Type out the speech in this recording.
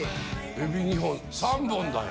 エビ２本３本だよ！